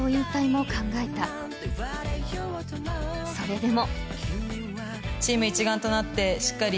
［それでも］